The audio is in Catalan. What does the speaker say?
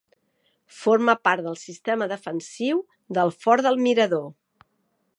Forma part del sistema defensiu del Fort del Mirador.